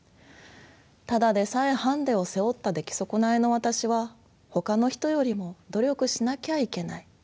ただでさえハンディを背負った出来損ないの私はほかの人よりも努力しなきゃいけない。